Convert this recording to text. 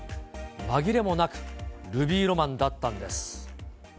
まぎれもなくルビーロマンだったんです。